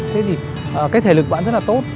thế thì cái thể lực bạn rất là tốt